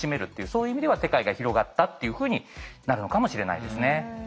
そういう意味では世界が広がったっていうふうになるのかもしれないですね。